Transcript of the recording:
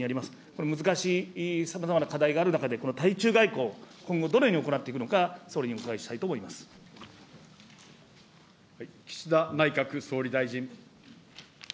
これ、難しいさまざまな課題がある中で、対中外交、今後、どのように行っていくのか、総理にお伺岸田内閣総理大臣。